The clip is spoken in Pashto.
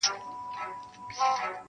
دا بلا دي نن دربار ته راولمه -